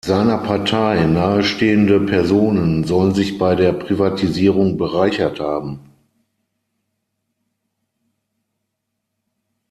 Seiner Partei nahestehende Personen sollen sich bei der Privatisierung bereichert haben.